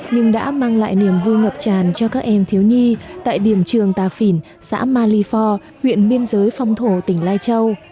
nhưng đã mang lại niềm vui ngập tràn cho các em thiếu nhi tại điểm trường tà phìn xã malifor huyện biên giới phong thổ tỉnh lai châu